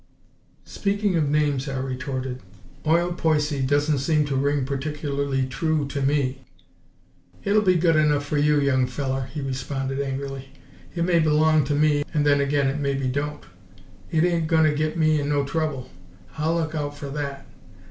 "Speaking of names," I retorted, "'Oil Poicy' doesn't seem to ring particularly true to me!" "It'll be gud enough fer you, young feller," he responded angrily. "It may belong t' me, an' then again, it maybe don't. It ain' gunna git me in no trouble; I'll luk out f'r that.